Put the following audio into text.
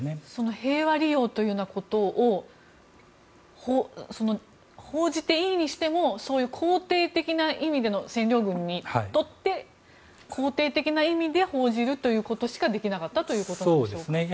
平和利用というようなことを報じていいにしても占領軍にとって肯定的な意味で報じるということしかできなかったということでしょうか。